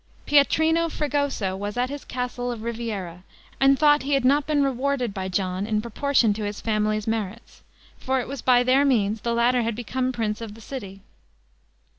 Pietrino Fregoso was at his castle of Riviera, and thought he had not been rewarded by John in proportion to his family's merits; for it was by their means the latter had become prince of the city.